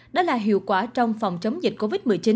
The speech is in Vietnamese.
đó là hiệu quả trong phòng chống dịch covid một mươi chín